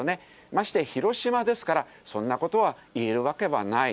まして広島ですから、そんなことは言えるわけはない。